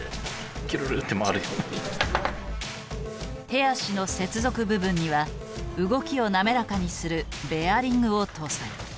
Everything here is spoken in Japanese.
手足の接続部分には動きを滑らかにするベアリングを搭載。